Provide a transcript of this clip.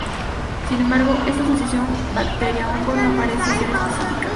Sin embargo esta asociación bacteria-hongo no parece ser específica.